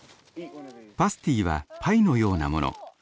パスティはパイのようなもの。